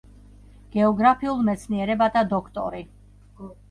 გეოგრაფიულ მეცნიერებათა დოქტორი.